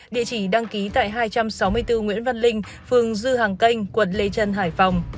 địa chỉ đăng ký tại hai trăm sáu mươi bốn nguyễn văn linh phường dư hàng canh quận lê trân hải phòng